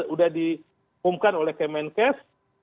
udah diumumkan oleh kemenkes